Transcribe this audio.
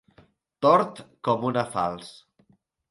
Tort com una falç.